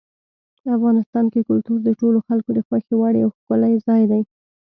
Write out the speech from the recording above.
افغانستان کې کلتور د ټولو خلکو د خوښې وړ یو ښکلی ځای دی.